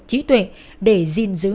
chí tuệ để gìn giữ